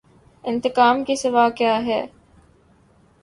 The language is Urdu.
انتقام کے سوا کیا ہے۔